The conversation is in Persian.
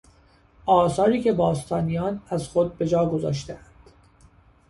آثاری که باستانیان از خود به جا گذاشتهاند